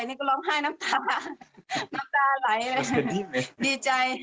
อันนี้ก็ร้องไห้น้ำตาน้ำตาไหลดีใจ